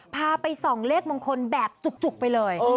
พาไปส่องเลขมงคลแบบจุกไปเลย